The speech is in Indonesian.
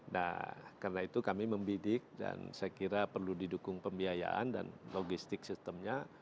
nah karena itu kami membidik dan saya kira perlu didukung pembiayaan dan logistik sistemnya